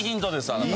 あなた。